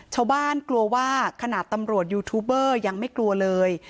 กลัวว่าขนาดตำรวจยูทูบเบอร์ยังไม่กลัวเลย